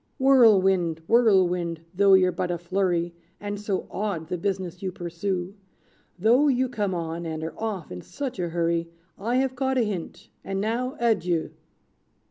"Whirlwind, Whirlwind, though you're but a flurry, And so odd the business you pursue; Though you come on, and are off, in such a hurry, I have caught a hint; and now adieu!"